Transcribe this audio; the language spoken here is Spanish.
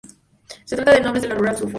Se tratan de nobles de la rural Suffolk.